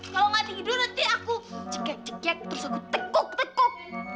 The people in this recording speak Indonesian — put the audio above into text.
kalo ga tidur nanti aku cek cek terus aku tekuk tekuk